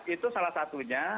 itu salah satunya